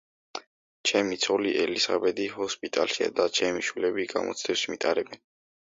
ჩემი ცოლი ელისაბედი ჰოსპიტალშია და ჩემი შვილები გამოცდებს მიტარებენ.